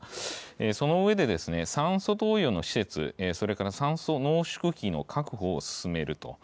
その上で、酸素投与の施設、それから酸素濃縮器の確保を進めると。